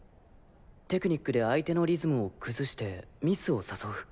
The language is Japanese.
テクニックで相手のリズムを崩してミスを誘う。